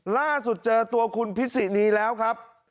ล่าสุดเจอตัวคุณพิษินีแล้วครับ